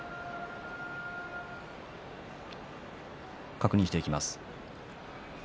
確認していきます。